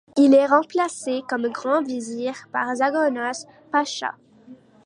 Il est remplacé comme grand vizir par Zağanos Pasha.